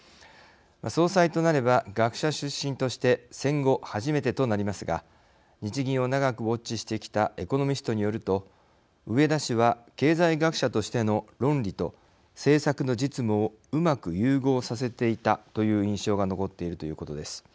総裁となれば、学者出身として戦後初めてとなりますが日銀を長くウォッチしてきたエコノミストによると植田氏は経済学者としての論理と政策の実務をうまく融合させていたという印象が残っているということです。